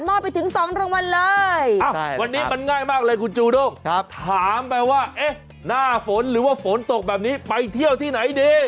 ไปถึง๒รางวัลเลยวันนี้มันง่ายมากเลยคุณจูด้งถามไปว่าเอ๊ะหน้าฝนหรือว่าฝนตกแบบนี้ไปเที่ยวที่ไหนดี